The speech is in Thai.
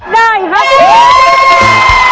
ได้ครับ